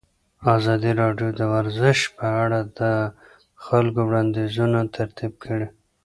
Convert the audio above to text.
ازادي راډیو د ورزش په اړه د خلکو وړاندیزونه ترتیب کړي.